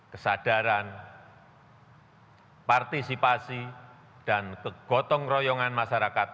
kesadaran partisipasi dan kegotong royongan masyarakat